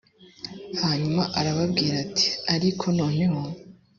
hanyuma arababwira ati ariko noneho